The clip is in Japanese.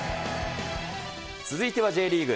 続いてはＪリーグ。